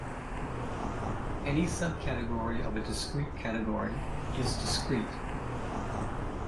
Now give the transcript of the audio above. Any subcategory of a discrete category is discrete.